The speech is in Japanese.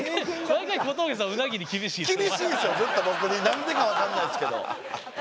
何でか分かんないっすけど。